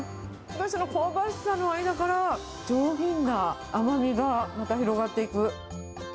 香ばしさの間から、上品な甘みがまた広がっていく。